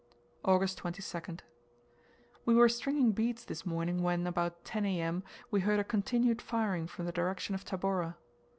August 22nd. We were stringing beads this morning, when, about 10 A.M., we heard a continued firing from the direction of Tabora.